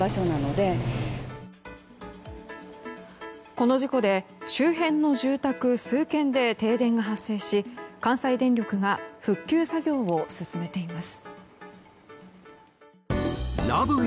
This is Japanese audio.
この事故で周辺の住宅数軒で停電が発生し、関西電力が復旧作業を進めています。